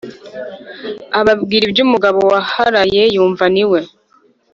ababwira ibyumugabo waharaye yumva niwe!